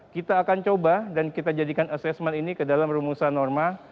kita akan coba dan kita jadikan assessment ini ke dalam rumusan norma